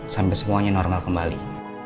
sampai semuanya normal kembali